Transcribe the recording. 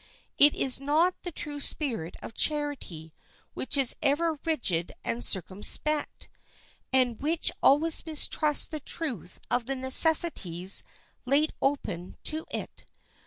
It is not the true spirit of charity which is ever rigid and circumspect, and which always mistrusts the truth of the necessities laid open to it.